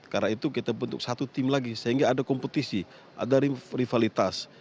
karena itu kita bentuk satu tim lagi sehingga ada kompetisi ada rivalitas